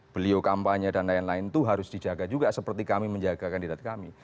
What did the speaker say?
beliau kampanye dan lain lain itu harus dijaga juga seperti kami menjaga kandidat kami